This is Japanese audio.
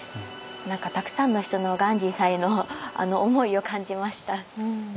何かたくさんの人の鑑真さんへの思いを感じました。